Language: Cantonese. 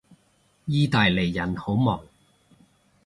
意大利人好忙